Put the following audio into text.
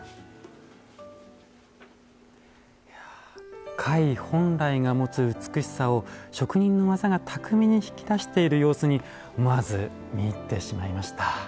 いや貝本来が持つ美しさを職人の技が巧みに引き出している様子に思わず見入ってしまいました。